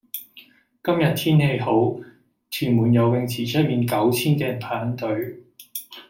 今日天氣好，屯門游泳池出面九千幾人排緊隊。